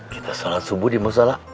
kita sholat subuh di musola